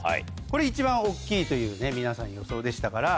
これ一番大っきいというね皆さん予想でしたから。